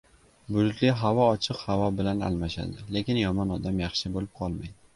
• Bulutli havo ochiq havo bilan almashadi, lekin yomon odam yaxshi bo‘lib qolmaydi.